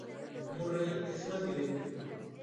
Murray es más directo.